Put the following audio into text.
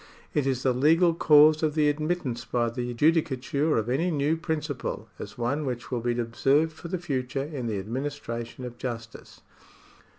It is the legal cause of the admittance by the judicature of any new principle as one which will be observed for the future in the administration of justice.